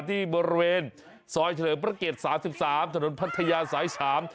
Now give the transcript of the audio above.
ที่บริเวณซอยเฉลยประเกษ๓๓ถนนพัทยาสายสาม